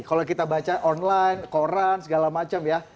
kalau kita baca online koran segala macam ya